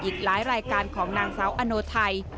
อีกหลายรายการของนางสาวอโนไทย